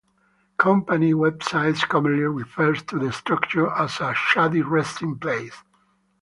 Company websites commonly refer to the structure as a "shady resting place".